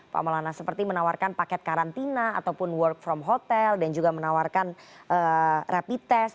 pak maulana seperti menawarkan paket karantina ataupun work from hotel dan juga menawarkan rapid test